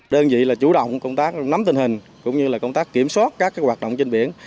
đơn vị là chủ động công tác nắm tình hình cũng như là công tác kiểm soát các hoạt động trên biển